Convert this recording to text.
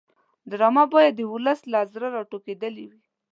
ډرامه باید د ولس له زړه راټوکېدلې وي